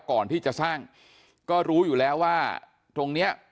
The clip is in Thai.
ก่อนที่จะสร้างก็รู้อยู่แล้วว่าตรงเนี้ย